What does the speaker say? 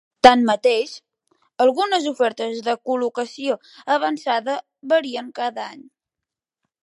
Tanmateix, algunes ofertes de Col·locació Avançada varien cada any.